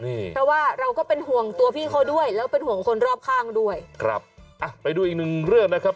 เพราะว่าเราก็เป็นห่วงตัวพี่เขาด้วยแล้วเป็นห่วงคนรอบข้างด้วยครับอ่ะไปดูอีกหนึ่งเรื่องนะครับ